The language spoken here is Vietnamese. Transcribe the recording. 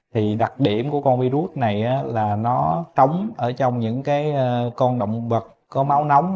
thì đặc điểm của con virus này là nó trống ở trong những cái con động vật có máu nóng